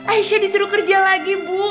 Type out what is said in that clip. aisyah disuruh kerja lagi bu